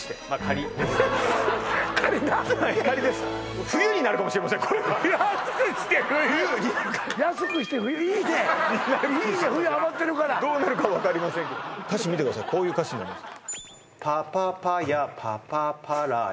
仮な仮です「安くして冬」「冬」になるかも「安くして冬」いいねいいね「冬」余ってるからどうなるか分かりませんけど歌詞見てくださいこういう歌詞になります